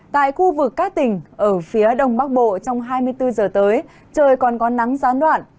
tại khu vực các tỉnh ở phía đông bắc bộ trong hai mươi bốn giờ tới trời còn có nắng gián đoạn